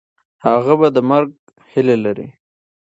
هغه به د مرګ هیله لري.